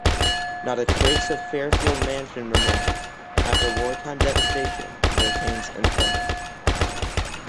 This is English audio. Not a trace of Fairfield mansion remains, after wartime devastation, hurricanes and floods.